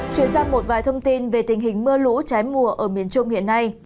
chuyển sang một vài thông tin về tình hình mưa lũ trái mùa ở miền trung hiện nay